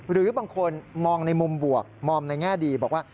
หรือบางคนมองในมุมบวกมองในแง่ดีบอกว่า